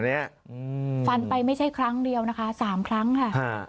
อืมฟันไปไม่ใช่ครั้งเดียวนะคะสามครั้งค่ะ